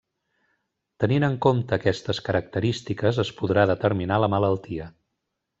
Tenint en compte aquestes característiques es podrà determinar la malaltia.